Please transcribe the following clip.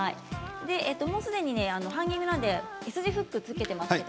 すでに、ハンギングなのでＳ字フックを付けています。